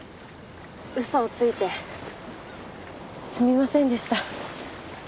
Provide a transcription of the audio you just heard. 嘘をついてすみませんでした。